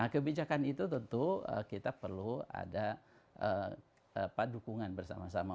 kebijakan itu tentu kita perlu ada pendukungan bersama sama